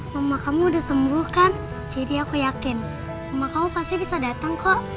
mama kamu udah sembuh kan jadi aku yakin mama kamu pasti bisa datang kok